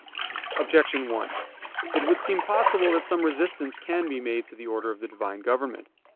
Objection 1: It would seem possible that some resistance can be made to the order of the Divine government.